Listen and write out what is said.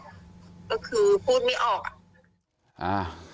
ก็คือพูดไม่ออก